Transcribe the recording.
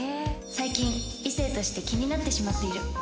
最近異性として気になってしまっている。